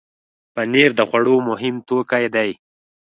پنېر د خوړو مهم توکی دی.